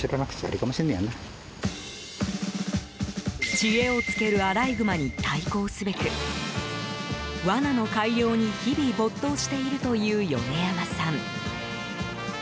知恵をつけるアライグマに対抗すべく罠の改良に、日々没頭しているという米山さん。